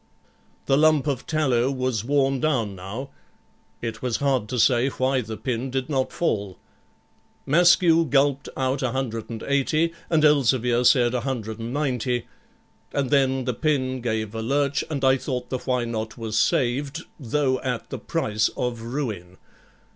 The lump of tallow was worn down now; it was hard to say why the pin did not fall. Maskew gulped out 180, and Elzevir said 190, and then the pin gave a lurch, and I thought the Why Not? was saved, though at the price of ruin.